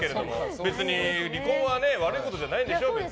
別に離婚は悪いことじゃないですから。